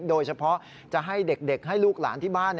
โดยเฉพาะจะให้เด็กให้ลูกหลานที่บ้าน